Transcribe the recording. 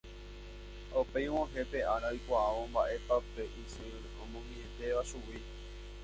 ha upéi og̃uahẽ pe ára oikuaávo mba'épa pe isy oñomietéva chugui.